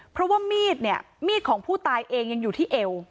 เพราะว่ามีดเนี่ยมีดของผู้ตายเองยังอยู่ที่เอว